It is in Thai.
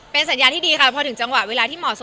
เป็นสัญญาณที่ดีค่ะพอถึงจังหวะเวลาที่เหมาะสม